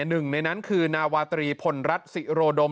หนึ่งในนั้นคือนาวาตรีพลรัฐศิโรดม